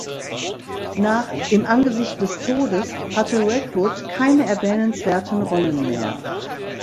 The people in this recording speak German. Nach "Im Angesicht des Todes" hatte Redwood keine erwähnenswerten Rollen mehr.